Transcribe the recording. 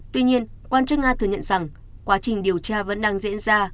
tuy nhiên quan chức nga thừa nhận rằng quá trình điều tra vẫn đang diễn ra